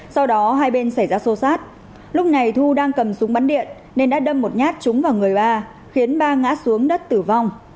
sau đó hai bên xảy ra xô xát lúc này thu đang cầm súng bắn điện nên đã đâm một nhát trúng vào người ba khiến ba ngã xuống đất tử vong